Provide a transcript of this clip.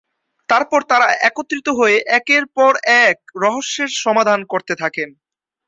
তারপর তাঁরা একত্রিত হয়ে একের পর এক রহস্যের সমাধান করতে থাকেন।